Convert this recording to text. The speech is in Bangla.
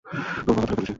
তোর বাবা ধরে ফেলেছে!